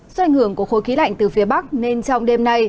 do ảnh hưởng của khối khí lạnh từ phía bắc nên trong đêm nay